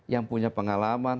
yang punya pengalaman